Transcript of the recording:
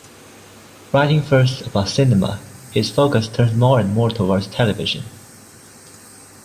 Writing first about cinema, his focus turns more and more towards television.